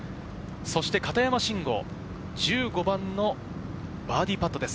片山晋呉、１５番のバーディーパットです。